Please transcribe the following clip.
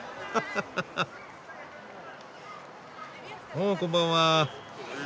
おこんばんは。